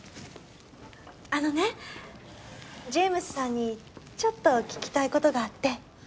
あのねジェームスさんにちょっと聞きたい事があって。